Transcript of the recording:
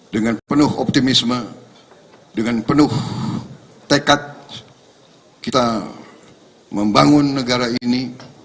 dengan penuh optimisme dengan penuh tekad kita membangun negara ini